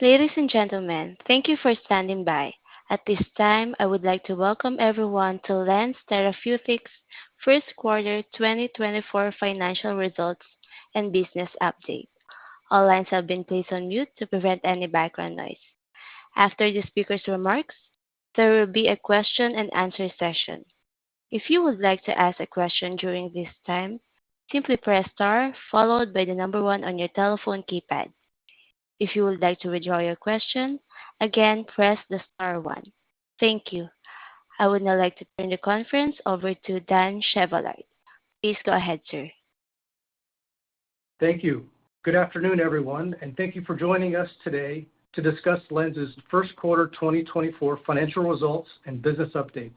Ladies and gentlemen, thank you for standing by. At this time, I would like to welcome everyone to LENZ Therapeutics' First Quarter 2024 Financial Results and Business Update. All lines have been placed on mute to prevent any background noise. After the speaker's remarks, there will be a question and answer session. If you would like to ask a question during this time, simply press star followed by the number one on your telephone keypad. If you would like to withdraw your question, again, press the star one. Thank you. I would now like to turn the conference over to Dan Chevallard. Please go ahead, sir. Thank you. Good afternoon, everyone, and thank you for joining us today to discuss LENZ's first quarter 2024 financial results and business updates.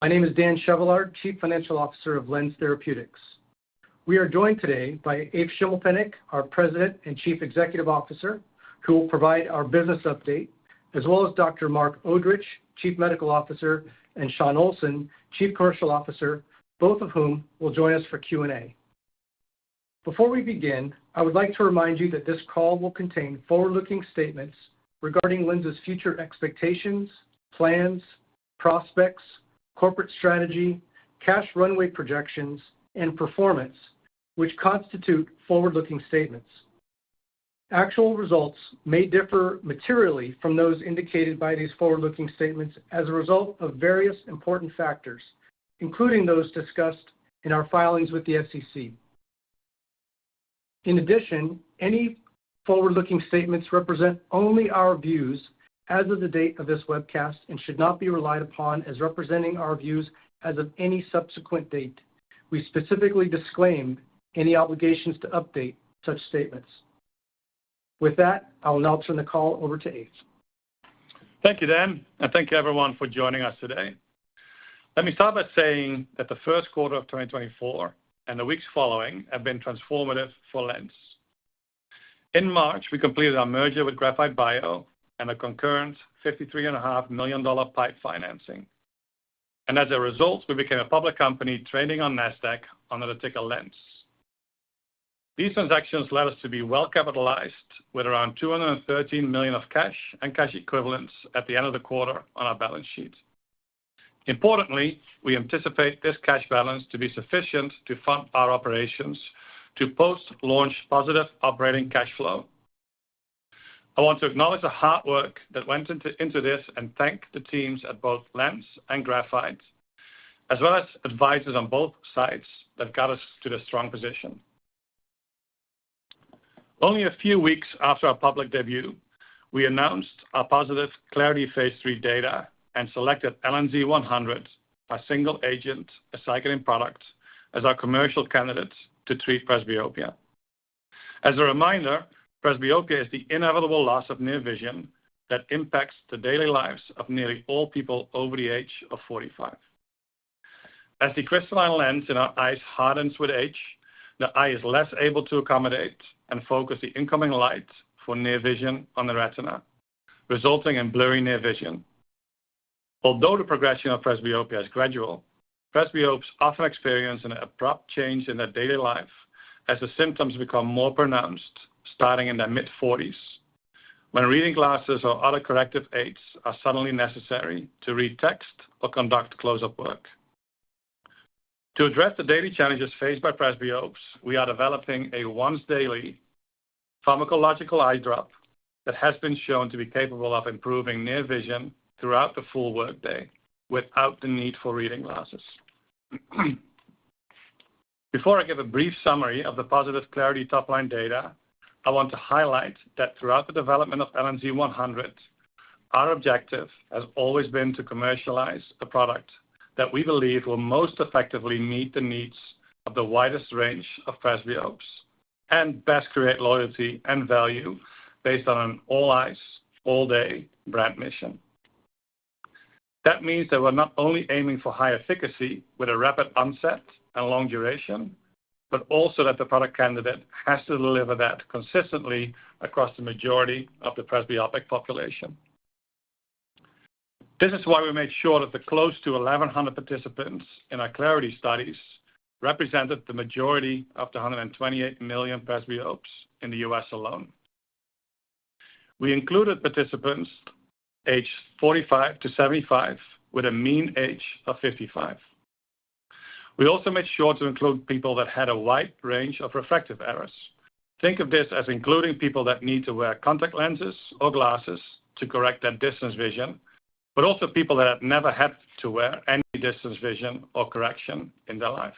My name is Dan Chevallard, Chief Financial Officer of LENZ Therapeutics. We are joined today by Evert Schimmelpennink, our President and Chief Executive Officer, who will provide our business update, as well as Dr. Marc Odrich, Chief Medical Officer, and Shawn Olsson, Chief Commercial Officer, both of whom will join us for Q&A. Before we begin, I would like to remind you that this call will contain forward-looking statements regarding LENZ's future expectations, plans, prospects, corporate strategy, cash runway projections, and performance, which constitute forward-looking statements. Actual results may differ materially from those indicated by these forward-looking statements as a result of various important factors, including those discussed in our filings with the SEC. In addition, any forward-looking statements represent only our views as of the date of this webcast and should not be relied upon as representing our views as of any subsequent date. We specifically disclaim any obligations to update such statements. With that, I will now turn the call over to Eve. Thank you, Dan, and thank you, everyone, for joining us today. Let me start by saying that the first quarter of 2024 and the weeks following have been transformative for LENZ. In March, we completed our merger with Graphite Bio and a concurrent $53.5 million PIPE financing, and as a result, we became a public company trading on Nasdaq under the ticker LENZ. These transactions led us to be well-capitalized with around $213 million of cash and cash equivalents at the end of the quarter on our balance sheet. Importantly, we anticipate this cash balance to be sufficient to fund our operations to post-launch positive operating cash flow. I want to acknowledge the hard work that went into this and thank the teams at both LENZ and Graphite Bio, as well as advisors on both sides that got us to this strong position. Only a few weeks after our public debut, we announced our positive Clarity phase III data and selected LNZ-100, a single-agent aceclidine product, as our commercial candidate to treat presbyopia. As a reminder, presbyopia is the inevitable loss of near vision that impacts the daily lives of nearly all people over the age of 45. As the crystalline lens in our eyes hardens with age, the eye is less able to accommodate and focus the incoming light for near vision on the retina, resulting in blurry near vision. Although the progression of presbyopia is gradual, presbyopes often experience an abrupt change in their daily life as the symptoms become more pronounced starting in their mid-forties, when reading glasses or other corrective aids are suddenly necessary to read text or conduct close-up work. To address the daily challenges faced by presbyopes, we are developing a once-daily pharmacological eye drop that has been shown to be capable of improving near vision throughout the full workday without the need for reading glasses. Before I give a brief summary of the positive Clarity top-line data, I want to highlight that throughout the development of LNZ-100, our objective has always been to commercialize a product that we believe will most effectively meet the needs of the widest range of presbyopes and best create loyalty and value based on an all eyes, all-day brand mission. That means that we're not only aiming for high efficacy with a rapid onset and long duration, but also that the product candidate has to deliver that consistently across the majority of the presbyopic population. This is why we made sure that the close to 11 hundreds participants in our Clarity studies represented the majority of the 128 million presbyopes in the U.S. alone. We included participants aged 45-75, with a mean age of 55. We also made sure to include people that had a wide range of refractive errors. Think of this as including people that need to wear contact lenses or glasses to correct their distance vision, but also people that have never had to wear any distance vision or correction in their life.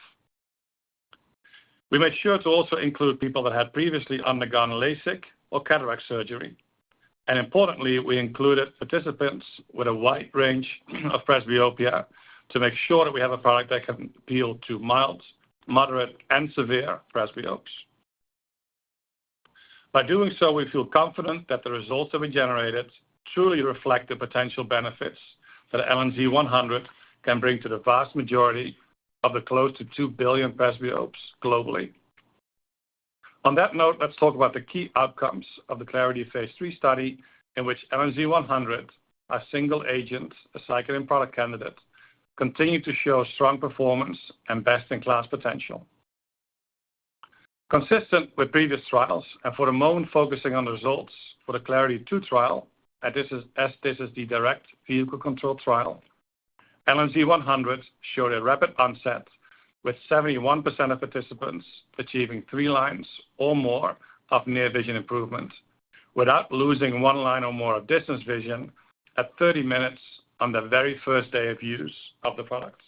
We made sure to also include people that had previously undergone LASIK or cataract surgery, and importantly, we included participants with a wide range of presbyopia to make sure that we have a product that can appeal to mild, moderate, and severe presbyopes. By doing so, we feel confident that the results that we generated truly reflect the potential benefits that LNZ-100 can bring to the vast majority of the close to 2 billion presbyopes globally. On that note, let's talk about the key outcomes of the Clarity phase III study in which LNZ-100, a single-agent, aceclidine product candidate, continued to show strong performance and best-in-class potential. Consistent with previous trials, and for the moment, focusing on the results for the Clarity two trial, and this is, as this is the direct vehicle control trial, LNZ-100 showed a rapid onset, with 71% of participants achieving three lines or more of near vision improvement, without losing one line or more of distance vision at 30 minutes on the very first day of use of the product.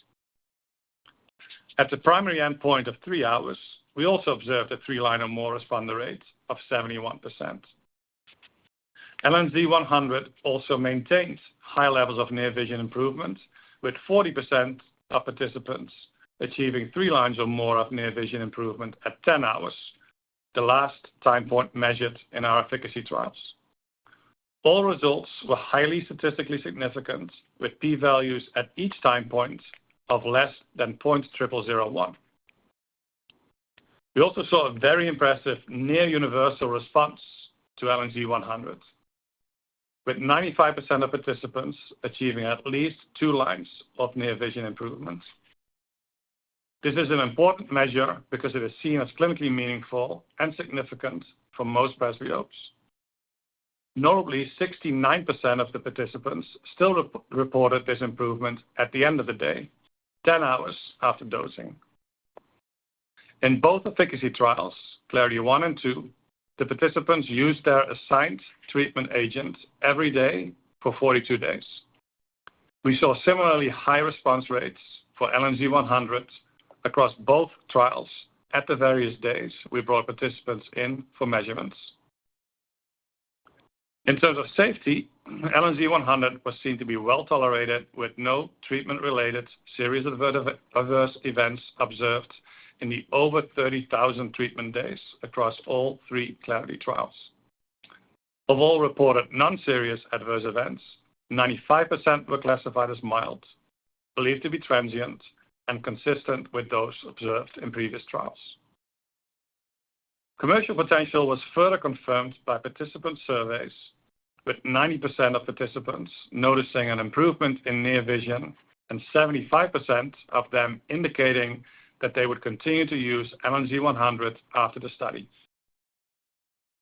At the primary endpoint of three hours, we also observed a three line or more responder rate of 71%. LNZ-100 also maintains high levels of near vision improvement, with 40% of participants achieving three lines or more of near vision improvement at 10 hours, the last time point measured in our efficacy trials. All results were highly statistically significant, with p-values at each time point of less than 0.001. We also saw a very impressive near universal response to LNZ-100, with 95% of participants achieving at least two lines of near vision improvement. This is an important measure because it is seen as clinically meaningful and significant for most presbyopes. Notably, 69% of the participants still reported this improvement at the end of the day, 10 hours after dosing. In both efficacy trials, Clarity one and two, the participants used their assigned treatment agent every day for 42 days. We saw similarly high response rates for LNZ-100 across both trials at the various days we brought participants in for measurements. In terms of safety, LNZ-100 was seen to be well-tolerated, with no treatment-related serious adverse events observed in the over 30,000 treatment days across all Three Clarity trials. Of all reported non-serious adverse events, 95% were classified as mild, believed to be transient, and consistent with those observed in previous trials. Commercial potential was further confirmed by participant surveys, with 90% of participants noticing an improvement in near vision, and 75% of them indicating that they would continue to use LNZ-100 after the study.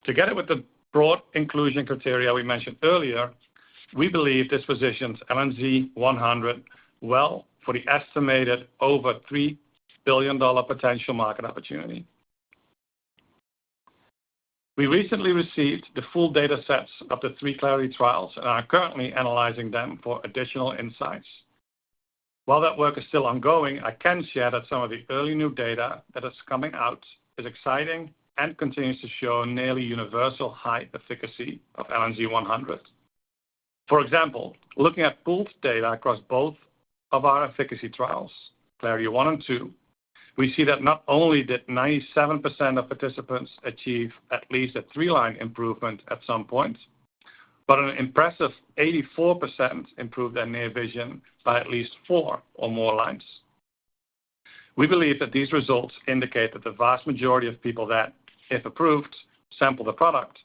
Together with the broad inclusion criteria we mentioned earlier, we believe this positions LNZ-100 well for the estimated over $3 billion potential market opportunity. We recently received the full data sets of the three Clarity trials and are currently analyzing them for additional insights. While that work is still ongoing, I can share that some of the early new data that is coming out is exciting and continues to show nearly universal high efficacy of LNZ-100. For example, looking at pooled data across both of our efficacy trials, Clarity one and two, we see that not only did 97% of participants achieve at least a three line improvement at some point, but an impressive 84% improved their near vision by at least four or more lines. We believe that these results indicate that the vast majority of people that, if approved, sample the product,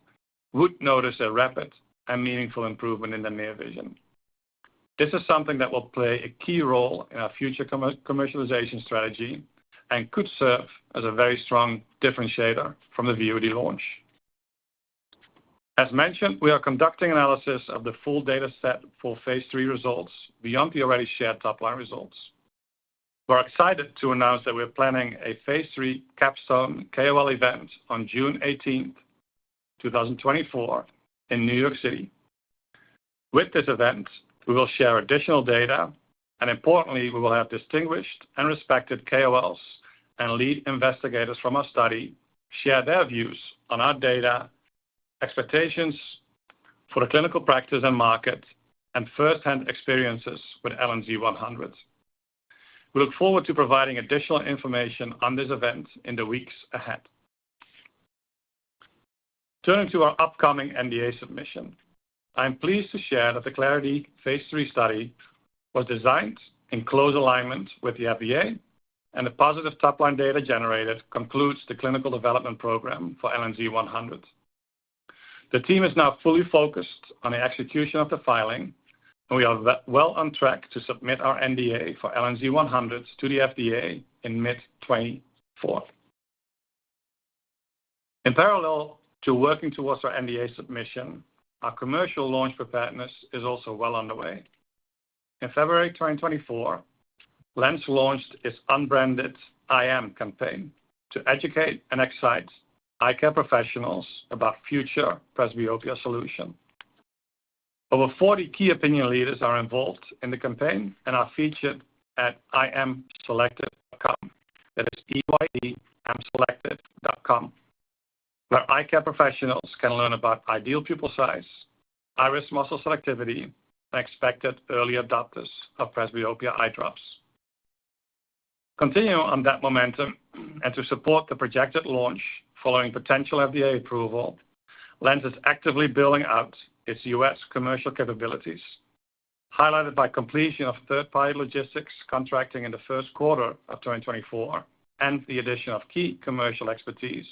would notice a rapid and meaningful improvement in their near vision. This is something that will play a key role in our future commercialization strategy and could serve as a very strong differentiator from the VUITY launch. As mentioned, we are conducting analysis of the full data set for phase III results beyond the already shared top-line results. We are excited to announce that we are planning a phase III capstone KOL event on June 18, 2024 in N.Y. With this event, we will share additional data, and importantly, we will have distinguished and respected KOLs and lead investigators from our study share their views on our data, expectations for the clinical practice and market, and firsthand experiences with LNZ-100. We look forward to providing additional information on this event in the weeks ahead. Turning to our upcoming NDA submission, I am pleased to share that the Clarity phase III study was designed in close alignment with the FDA, and the positive top-line data generated concludes the clinical development program for LNZ-100. The team is now fully focused on the execution of the filing, and we are well on track to submit our NDA for LNZ-100 to the FDA in mid-2024. In parallel to working towards our NDA submission, our commercial launch preparedness is also well underway. In February 2024, LENZ launched its unbranded Eye Am campaign to educate and excite eye care professionals about future presbyopia solution. Over 40 key opinion leaders are involved in the campaign and are featured at eyeamselective.com. That is eyeamselective.com, where eye care professionals can learn about ideal pupil size, iris muscle selectivity, and expected early adopters of presbyopia eye drops. Continuing on that momentum and to support the projected launch following potential FDA approval, LENZ is actively building out its U.S. commercial capabilities, highlighted by completion of third-party logistics contracting in the first quarter of 2024, and the addition of key commercial expertise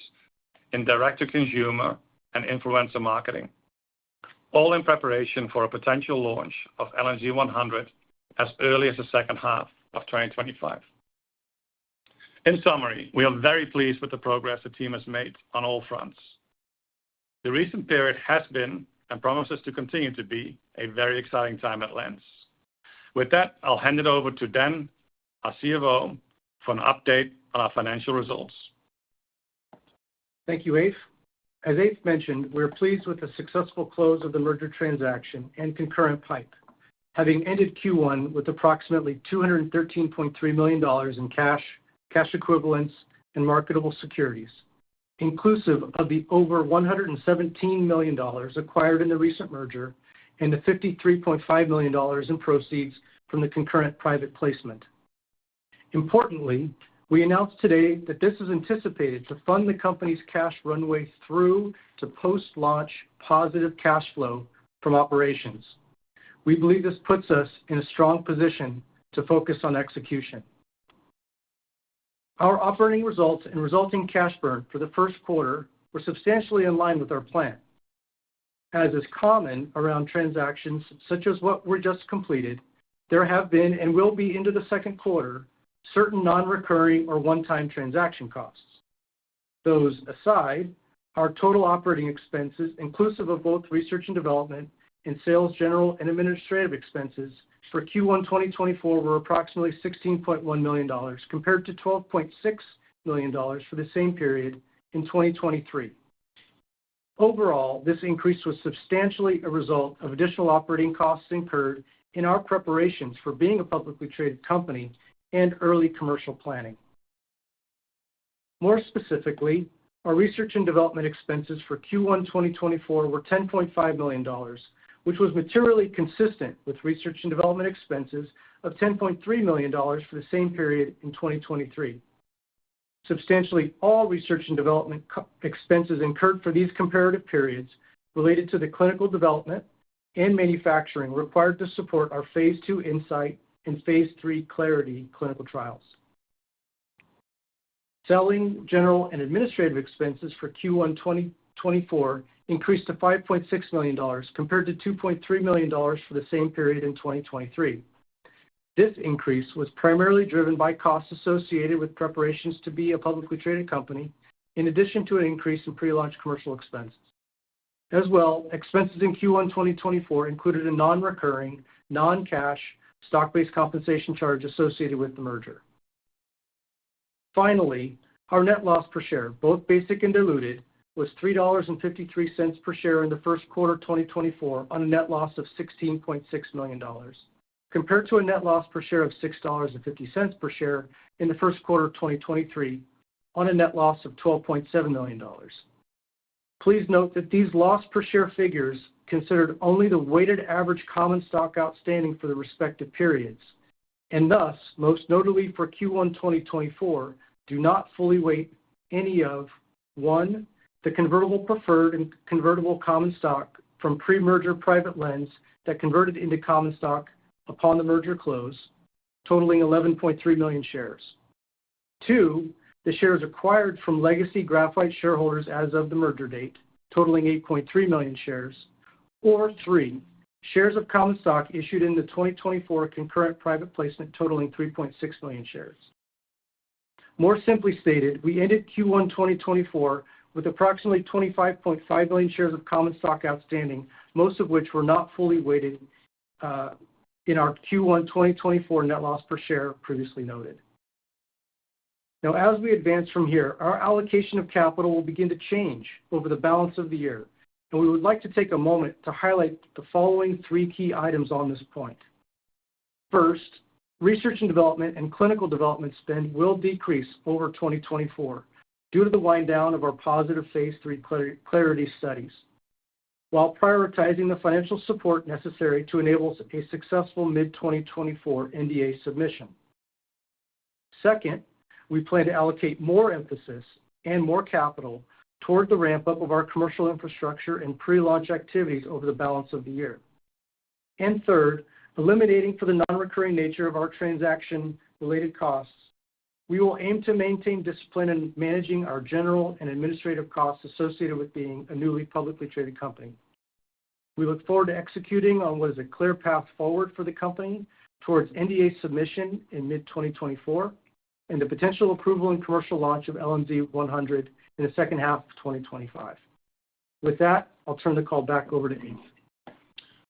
in direct-to-consumer and influencer marketing.... all in preparation for a potential launch of LNZ-100 as early as the second half of 2025. In summary, we are very pleased with the progress the team has made on all fronts. The recent period has been, and promises to continue to be, a very exciting time at LENZ. With that, I'll hand it over to Dan, our CFO, for an update on our financial results. Thank you, Eve. As Eve mentioned, we're pleased with the successful close of the merger transaction and concurrent PIPE, having ended Q1 with approximately $213.3 million in cash, cash equivalents, and marketable securities, inclusive of the over $117 million acquired in the recent merger and the $53.5 million in proceeds from the concurrent private placement. Importantly, we announced today that this is anticipated to fund the company's cash runway through to post-launch positive cash flow from operations. We believe this puts us in a strong position to focus on execution. Our operating results and resulting cash burn for the first quarter were substantially in line with our plan. As is common around transactions such as what we just completed, there have been and will be into the second quarter, certain non-recurring or one-time transaction costs. Those aside, our total operating expenses, inclusive of both research and development and sales, general, and administrative expenses for Q1 2024, were approximately $16.1 million, compared to $12.6 million for the same period in 2023. Overall, this increase was substantially a result of additional operating costs incurred in our preparations for being a publicly traded company and early commercial planning. More specifically, our research and development expenses for Q1 2024 were $10.5 million, which was materially consistent with research and development expenses of $10.3 million for the same period in 2023. Substantially all research and development expenses incurred for these comparative periods related to the clinical development and manufacturing required to support our Phase II Insight and Phase III Clarity clinical trials. Selling general and administrative expenses for Q1 2024 increased to $5.6 million, compared to $2.3 million for the same period in 2023. This increase was primarily driven by costs associated with preparations to be a publicly traded company, in addition to an increase in pre-launch commercial expenses. As well, expenses in Q1 2024 included a non-recurring, non-cash, stock-based compensation charge associated with the merger. Finally, our net loss per share, both basic and diluted, was $3.53 per share in the first quarter of 2024 on a net loss of $16.6 million, compared to a net loss per share of $6.50 per share in the first quarter of 2023 on a net loss of $12.7 million. Please note that these loss per share figures considered only the weighted average common stock outstanding for the respective periods, and thus, most notably for Q1 2024, do not fully weight any of, one, the convertible preferred and convertible common stock from pre-merger private LENZ that converted into common stock upon the merger close, totaling 11.3 million shares. Two, the shares acquired from legacy Graphite shareholders as of the merger date, totaling 8.3 million shares, or three, shares of common stock issued in the 2024 concurrent private placement, totaling 3.6 million shares. More simply stated, we ended Q1 2024 with approximately 25.5 million shares of common stock outstanding, most of which were not fully weighted in our Q1 2024 net loss per share previously noted. Now, as we advance from here, our allocation of capital will begin to change over the balance of the year, and we would like to take a moment to highlight the following three key items on this point. First, research and development and clinical development spend will decrease over 2024 due to the wind down of our positive Phase III Clarity studies, while prioritizing the financial support necessary to enable a successful mid-2024 NDA submission. Second, we plan to allocate more emphasis and more capital toward the ramp-up of our commercial infrastructure and pre-launch activities over the balance of the year. And third, eliminating for the non-recurring nature of our transaction-related costs, we will aim to maintain discipline in managing our general and administrative costs associated with being a newly publicly traded company. We look forward to executing on what is a clear path forward for the company towards NDA submission in mid-2024 and the potential approval and commercial launch of LNZ-100 in the second half of 2025. With that, I'll turn the call back over to Eve.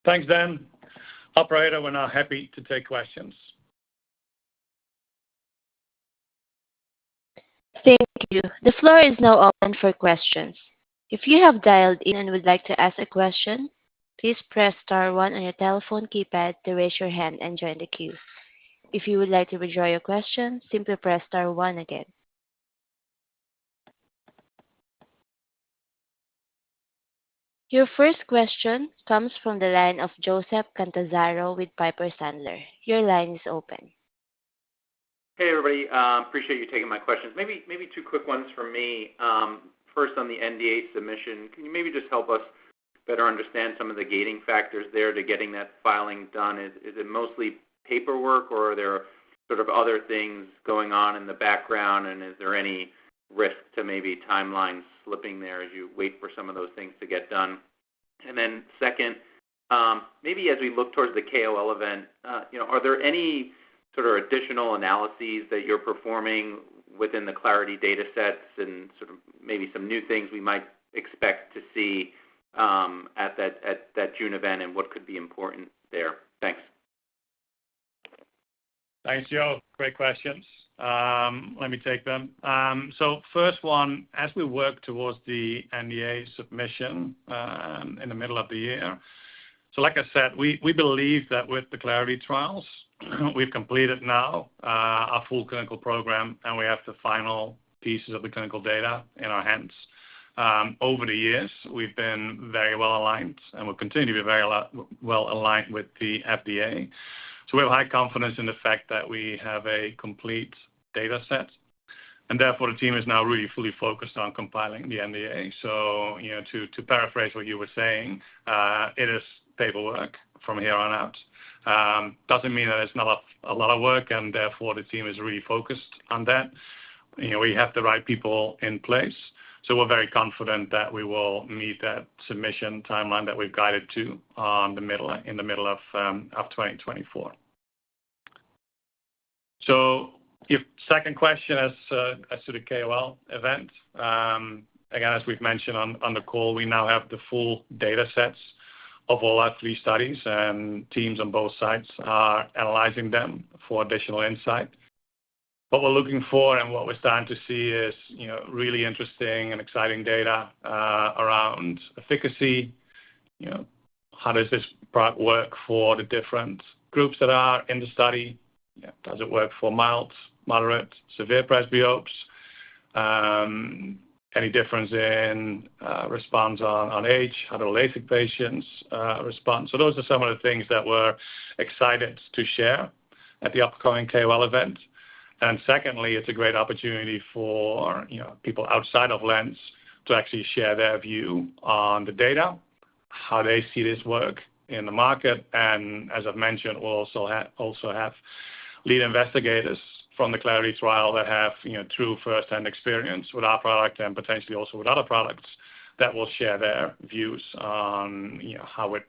Thanks, Dan. Operator, we're now happy to take questions. Thank you. The floor is now open for questions. If you have dialed in and would like to ask a question, please press star one on your telephone keypad to raise your hand and join the queue. If you would like to withdraw your question, simply press star one again. Your first question comes from the line of Joseph Catanzaro with Piper Sandler. Your line is open. Hey, everybody, appreciate you taking my questions. Maybe, maybe two quick ones from me. First, on the NDA submission, can you maybe just help us better understand some of the gating factors there to getting that filing done? Is, is it mostly paperwork, or are there sort of other things going on in the background, and is there any risk to maybe timelines slipping there as you wait for some of those things to get done? And then second, maybe as we look towards the KOL event, you know, are there any sort of additional analyses that you're performing within the Clarity data sets and sort of maybe some new things we might expect to see, at that June event, and what could be important there? Thanks. Thanks, Joe. Great questions. Let me take them. So first one, as we work towards the NDA submission, in the middle of the year, so like I said, we believe that with the Clarity trials, we've completed now a full clinical program, and we have the final pieces of the clinical data in our hands. Over the years, we've been very well aligned, and we'll continue to be very well aligned with the FDA. So we have high confidence in the fact that we have a complete data set, and therefore, the team is now really fully focused on compiling the NDA. So, you know, to paraphrase what you were saying, it is paperwork from here on out. Doesn't mean that it's not a lot of work, and therefore, the team is really focused on that. You know, we have the right people in place, so we're very confident that we will meet that submission timeline that we've guided to in the middle of 2024. So your second question as to the KOL event, again, as we've mentioned on the call, we now have the full data sets of all our three studies, and teams on both sides are analyzing them for additional insight. What we're looking for and what we're starting to see is, you know, really interesting and exciting data around efficacy. You know, how does this product work for the different groups that are in the study? Does it work for mild, moderate, severe presbyopes? Any difference in response on age, how do LASIK patients respond? Those are some of the things that we're excited to share at the upcoming KOL event. Secondly, it's a great opportunity for, you know, people outside of LENZ to actually share their view on the data, how they see this work in the market, and as I've mentioned, we'll also have lead investigators from the Clarity trial that have true first-hand experience with our product and potentially also with other products, that will share their views on, you know, how it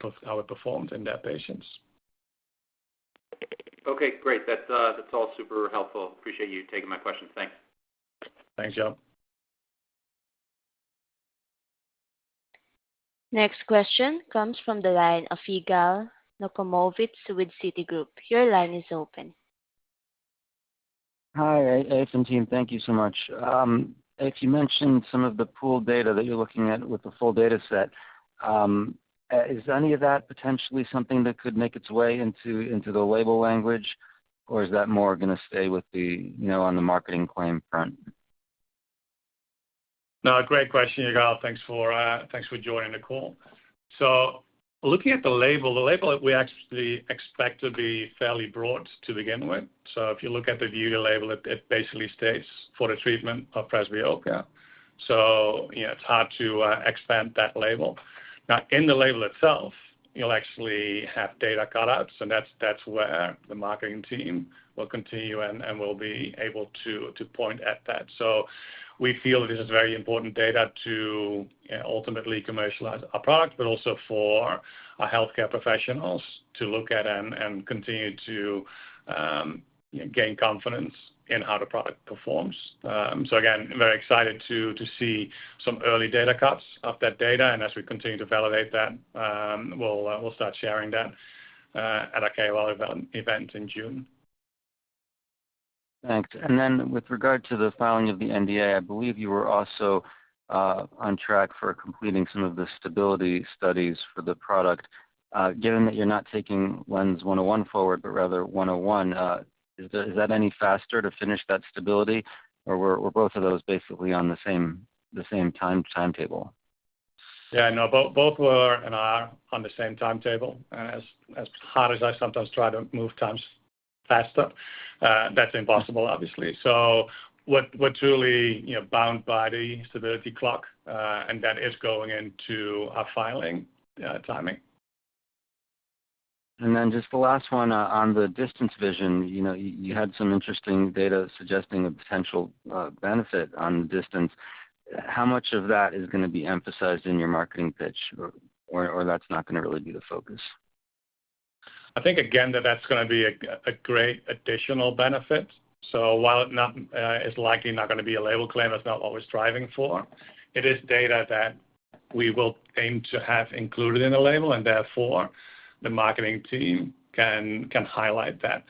performed in their patients. Okay, great. That's all super helpful. Appreciate you taking my questions. Thanks. Thanks, Joe. Next question comes from the line of Yigal Nochomovitz with Citigroup. Your line is open. Hi, LENZ team, thank you so much. If you mentioned some of the pooled data that you're looking at with the full data set, is any of that potentially something that could make its way into the label language, or is that more gonna stay with the, you know, on the marketing claim front? No, great question, Yigal. Thanks for, thanks for joining the call. So looking at the label, the label we actually expect to be fairly broad to begin with. So if you look at the VUITY label, it basically states for the treatment of presbyopia. So, you know, it's hard to expand that label. Now, in the label itself, you'll actually have data cutouts, and that's where the marketing team will continue and will be able to point at that. So we feel this is very important data to ultimately commercialize our product, but also for our healthcare professionals to look at and continue to gain confidence in how the product performs. So again, very excited to see some early data cuts of that data, and as we continue to validate that, we'll start sharing that at our KOL event in June. Thanks. Then with regard to the filing of the NDA, I believe you were also on track for completing some of the stability studies for the product. Given that you're not taking LNZ-101 forward, but rather LNZ-100, is that any faster to finish that stability, or were both of those basically on the same time timetable? Yeah, no, both, both were and are on the same timetable. As, as hard as I sometimes try to move times faster, that's impossible, obviously. So what we're truly, you know, bound by the stability clock, and that is going into our filing, timing. And then just the last one, on the distance vision, you know, you had some interesting data suggesting a potential benefit on the distance. How much of that is gonna be emphasized in your marketing pitch, or that's not gonna really be the focus? I think, again, that that's gonna be a great additional benefit. So while it is likely not gonna be a label claim, it's not what we're striving for, it is data that we will aim to have included in the label, and therefore, the marketing team can highlight that.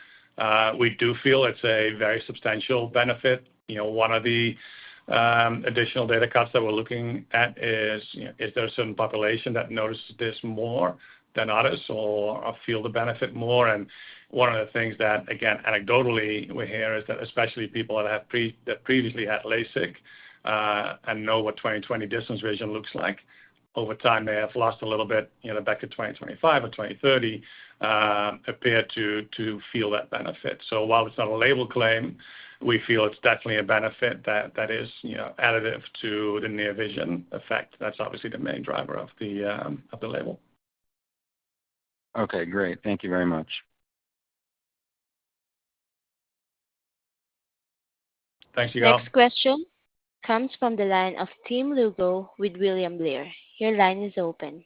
We do feel it's a very substantial benefit. You know, one of the additional data cuts that we're looking at is, you know, is there a certain population that notices this more than others or feel the benefit more? And one of the things that, again, anecdotally we hear is that especially people that previously had LASIK and know what 20/20 distance vision looks like, over time, they have lost a little bit. You know, back at 20/25 or 20/30, appear to feel that benefit. So while it's not a label claim, we feel it's definitely a benefit that is, you know, additive to the near vision effect. That's obviously the main driver of the label. Okay, great. Thank you very much. Thanks, Yigal. Next question comes from the line of Tim Lugo with William Blair. Your line is open.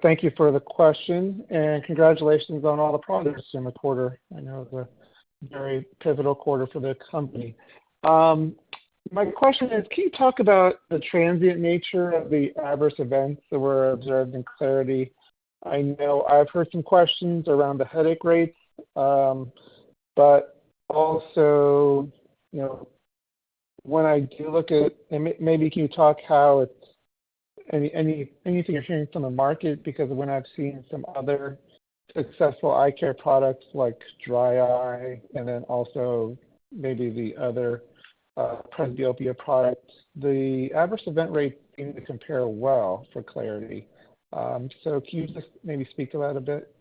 Thank you for the question, and congratulations on all the progress in the quarter. I know it was a very pivotal quarter for the company. My question is, can you talk about the transient nature of the adverse events that were observed in Clarity? I know I've heard some questions around the headache rates. But also, you know, when I do look at- and maybe, can you talk about anything you're hearing from the market? Because when I've seen some other successful eye care products like dry eye, and then also maybe the other, presbyopia products, the adverse event rate seem to compare well for Clarity. So can you just maybe speak to that a bit?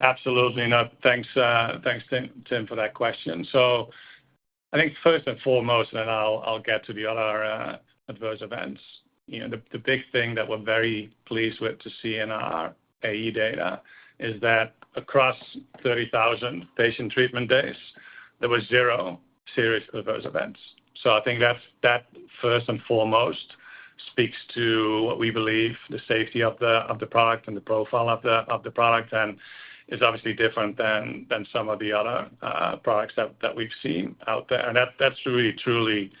Absolutely. Now, thanks, Tim, Tim, for that question. So I think first and foremost, then I'll, I'll get to the other, adverse events. You know, the big thing that we're very pleased with to see in our AE data is that across 30,000 patient treatment days, there were 0 serious adverse events. So I think that's that first and foremost speaks to what we believe, the safety of the product and the profile of the product, and is obviously different than some of the other, products that we've seen out there. And that's really truly,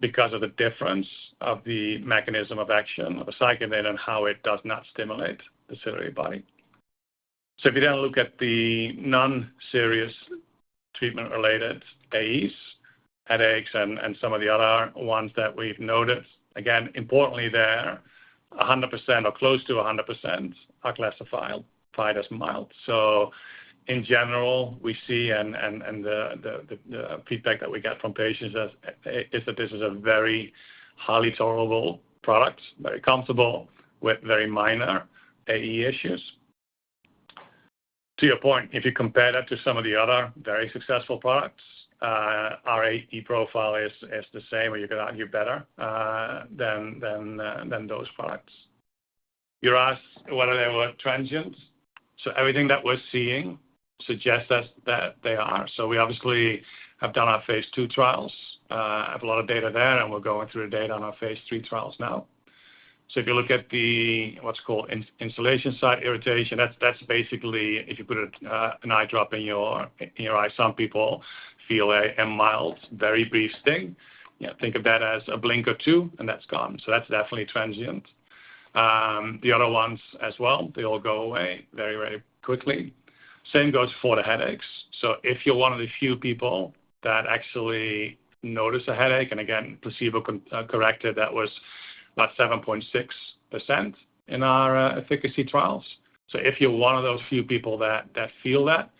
because of the difference of the mechanism of action of aceclidine and how it does not stimulate the ciliary muscle. So if you then look at the non-serious treatment-related AEs, headaches, and some of the other ones that we've noticed, again, importantly, there, 100% or close to 100% are classified as mild. So in general, we see and the feedback that we get from patients is that this is a very highly tolerable product, very comfortable, with very minor AE issues. To your point, if you compare that to some of the other very successful products, our AE profile is the same, or you could argue, better, than those products. You asked whether they were transient. So everything that we're seeing suggests us that they are. So we obviously have done our phase III trials, have a lot of data there, and we're going through the data on our phase III trials now. So if you look at the, what's called instillation site irritation, that's basically if you put a an eye drop in your eye, some people feel a mild, very brief sting. You know, think of that as a blink or two, and that's gone. So that's definitely transient. The other ones as well, they all go away very, very quickly. Same goes for the headaches. So if you're one of the few people that actually notice a headache, and again, placebo-controlled, that was about 7.6% in our efficacy trials. So if you're one of those few people that feel that,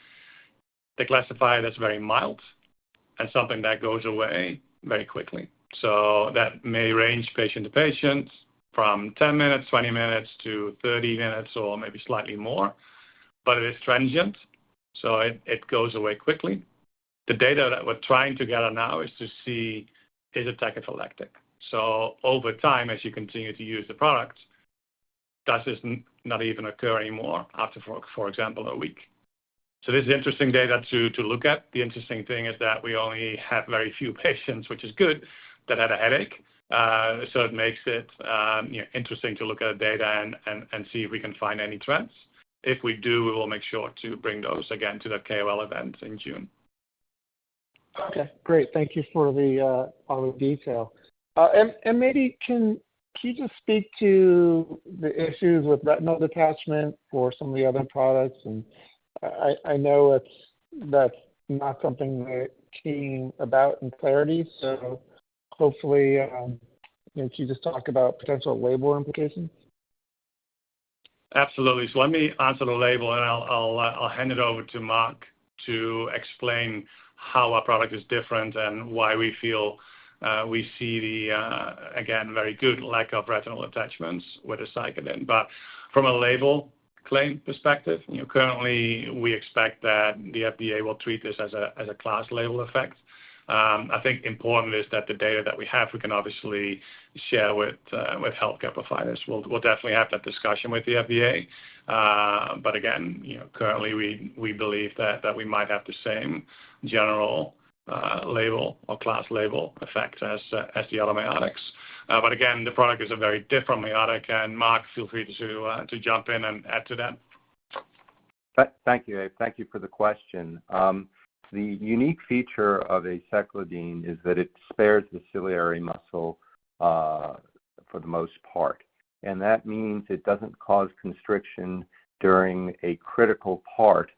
they classify it as very mild and something that goes away very quickly. So that may range patient to patient from 10 minutes, 20 minutes to 30 minutes, or maybe slightly more, but it is transient, so it goes away quickly. The data that we're trying to gather now is to see is it tachyphylactic. So over time, as you continue to use the product, does this not even occur anymore after, for example, a week. So this is interesting data to look at. The interesting thing is that we only have very few patients, which is good, that had a headache. So it makes it, you know, interesting to look at the data and see if we can find any trends. If we do, we will make sure to bring those again to the KOL event in June. Okay, great. Thank you for all the detail. And maybe can you just speak to the issues with retinal detachment for some of the other products? And I know it's not something we're seeing in Clarity, so hopefully can you just talk about potential label implications? Absolutely. So let me answer the label, and I'll hand it over to Marc to explain how our product is different and why we feel we see the again very good lack of retinal detachments with aceclidine. But from a label claim perspective, you know, currently, we expect that the FDA will treat this as a class label effect. I think important is that the data that we have, we can obviously share with healthcare providers. We'll definitely have that discussion with the FDA. But again, you know, currently, we believe that we might have the same general label or class label effect as the other miotics. But again, the product is a very different miotic, and Marc, feel free to jump in and add to that. Thank you, Eve. Thank you for the question. The unique feature of aceclidine is that it spares the ciliary muscle, for the most part. And that means it doesn't cause constriction during a critical part,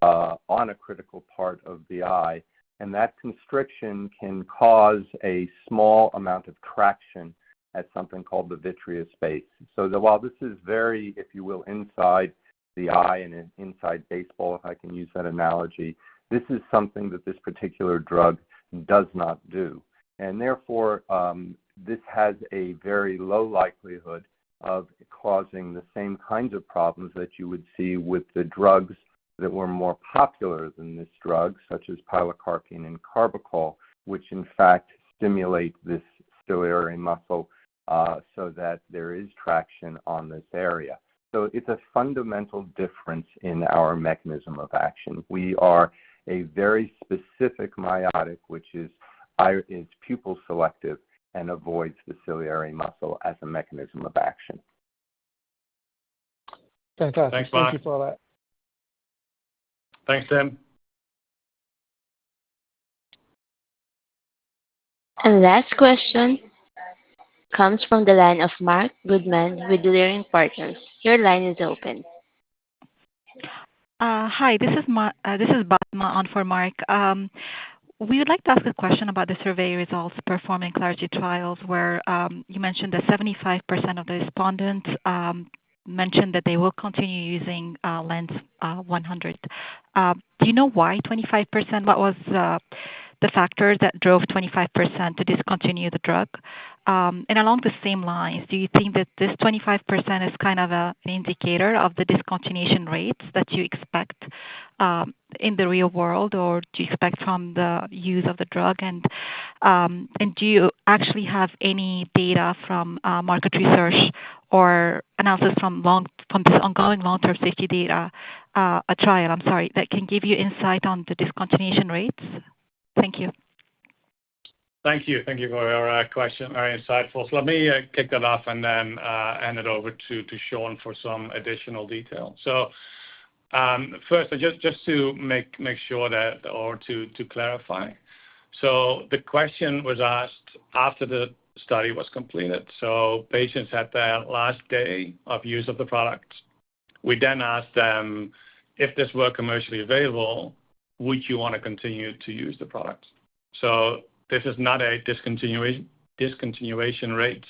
on a critical part of the eye, and that constriction can cause a small amount of traction at something called the vitreous base. So while this is very, if you will, inside the eye and inside baseball, if I can use that analogy, this is something that this particular drug does not do. And therefore, this has a very low likelihood of causing the same kinds of problems that you would see with the drugs that were more popular than this drug, such as pilocarpine and carbachol, which in fact stimulate this ciliary muscle, so that there is traction on this area. So it's a fundamental difference in our mechanism of action. We are a very specific miotic, which is pupil selective and avoids the ciliary muscle as a mechanism of action. Fantastic. Thanks, Mark. Thank you for all that. Thanks, Tim. Last question comes from the line of Mark Goodman with Leerink Partners. Your line is open. Hi, this is Basma on for Mark. We would like to ask a question about the survey results from the Clarity trials, where you mentioned that 75% of the respondents mentioned that they will continue using LNZ-100. Do you know why 25%? What was the factor that drove 25% to discontinue the drug? And along the same lines, do you think that this 25% is kind of an indicator of the discontinuation rates that you expect in the real world, or do you expect from the use of the drug? And do you actually have any data from market research or analysis from this ongoing long-term safety data trial, I'm sorry, that can give you insight on the discontinuation rates? Thank you. Thank you. Thank you for your question. Very insightful. So let me kick that off and then hand it over to Sean for some additional detail. So, first, just to make sure that, or to clarify. So the question was asked after the study was completed. So patients had their last day of use of the product. We then asked them, If this were commercially available, would you want to continue to use the product? So this is not a discontinuing, discontinuation rate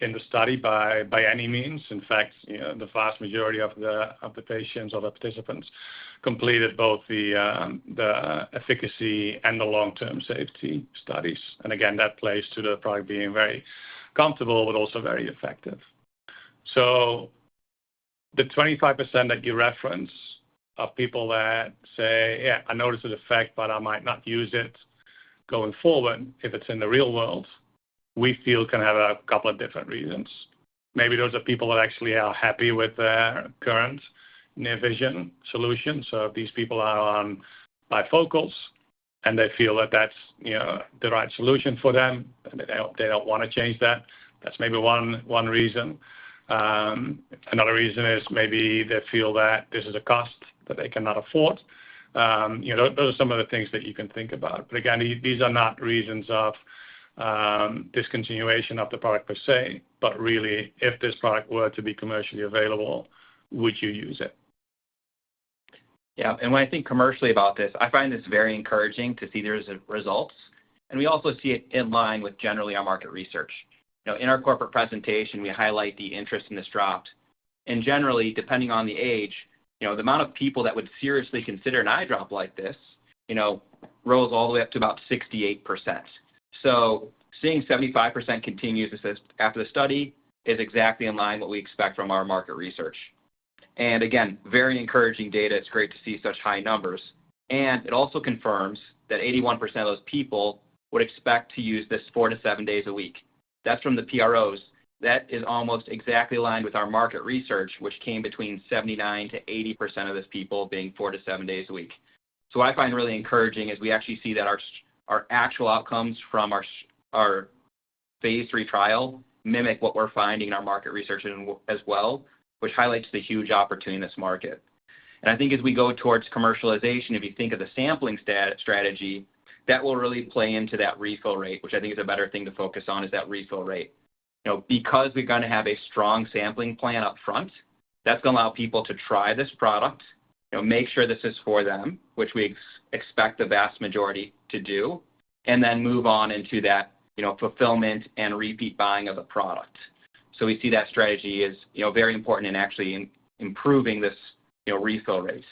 in the study by any means. In fact, you know, the vast majority of the patients or the participants completed both the efficacy and the long-term safety studies. And again, that plays to the product being very comfortable but also very effective. So the 25% that you reference of people that say, yeah, I noticed the effect, but I might not use it going forward, if it's in the real world, we feel can have a couple of different reasons. Maybe those are people that actually are happy with their current near vision solution. So if these people are on bifocals, and they feel that that's, you know, the right solution for them, and they don't wanna change that, that's maybe one reason. Another reason is maybe they feel that this is a cost that they cannot afford. You know, those are some of the things that you can think about. But again, these are not reasons of discontinuation of the product per se, but really, if this product were to be commercially available, would you use it. Yeah, and when I think commercially about this, I find this very encouraging to see there is results, and we also see it in line with generally our market research. You know, in our corporate presentation, we highlight the interest in this drop. And generally, depending on the age, you know, the amount of people that would seriously consider an eye drop like this, you know, rose all the way up to about 68%. So seeing 75% continue this is after the study is exactly in line with what we expect from our market research. And again, very encouraging data. It's great to see such high numbers. And it also confirms that 81% of those people would expect to use this four-seven days a week. That's from the PROs. That is almost exactly in line with our market research, which came between 79%-80% of these people being four-seven days a week. So what I find really encouraging is we actually see that our actual outcomes from our phase III trial mimic what we're finding in our market research and as well, which highlights the huge opportunity in this market. And I think as we go towards commercialization, if you think of the sampling strategy, that will really play into that refill rate, which I think is a better thing to focus on, is that refill rate. You know, because we're gonna have a strong sampling plan up front, that's gonna allow people to try this product, you know, make sure this is for them, which we expect the vast majority to do, and then move on into that, you know, fulfillment and repeat buying of the product. So we see that strategy as, you know, very important in actually improving this, you know, refill rates.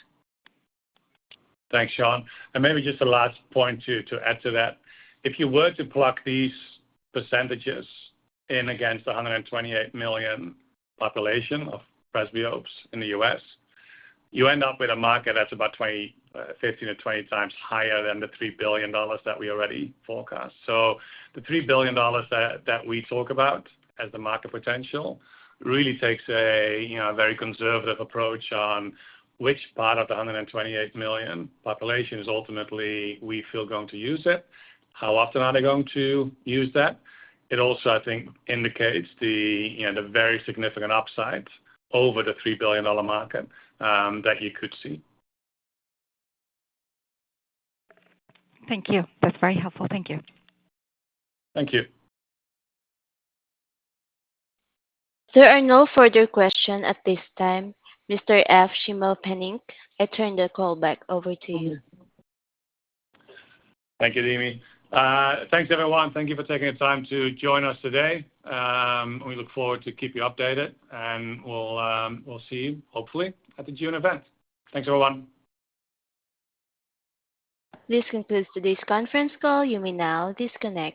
Thanks, Shawn. And maybe just a last point, too, to add to that. If you were to pluck these percentages in against the 128 million population of presbyopes in the U.S., you end up with a market that's about 15-20 times higher than the $3 billion that we already forecast. So the $3 billion that, that we talk about as the market potential, really takes a, you know, very conservative approach on which part of the 128 million population is ultimately, we feel, going to use it, how often are they going to use that? It also, I think, indicates the, you know, the very significant upside over the $3 billion market that you could see. Thank you. That's very helpful. Thank you. Thank you. There are no further questions at this time. Mr. Evert Schimmelpennink, I turn the call back over to you. Thank you, Dimi. Thanks, everyone. Thank you for taking the time to join us today, we look forward to keep you updated, and we'll, we'll see you, hopefully, at the June event. Thanks, everyone. This concludes today's conference call. You may now disconnect.